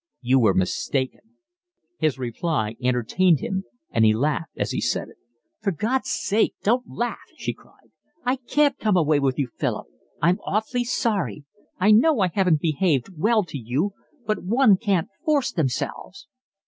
"You were mistaken." His reply entertained him, and he laughed as he said it. "For God's sake don't laugh," she cried. "I can't come away with you, Philip. I'm awfully sorry. I know I haven't behaved well to you, but one can't force themselves."